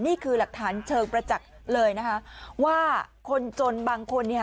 นี่คือหลักฐานเชิงประจักษ์เลยนะคะว่าคนจนบางคนเนี่ย